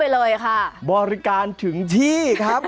สกิดยิ้ม